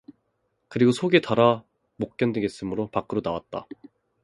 그리고 속이 달아 못 견디겠으므로 밖으로 나왔다.